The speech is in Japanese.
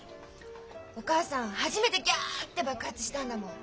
お母さん初めてギャッて爆発したんだもん。